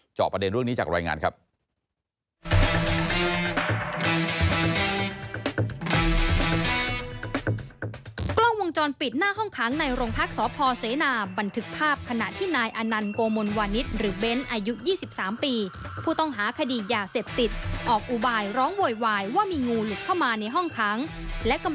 จอบประเด็นเรื่องนี้จากรายงานครับ